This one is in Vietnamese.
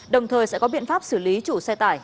đồng thời sẽ có biện pháp xử lý chủ xe tải